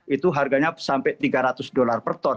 itu harganya sampai tiga ratus dolar per ton